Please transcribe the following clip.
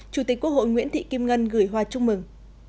chủ tịch quốc hội nguyễn thị kim ngân gửi hoa chúc mừng